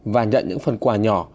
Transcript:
và nhận những phần quà nhỏ